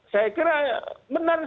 saya kira benar